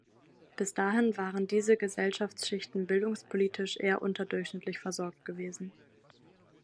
Bis dahin waren diese Gesellschaftsschichten bildungspolitisch eher unterdurchschnittlich versorgt gewesen.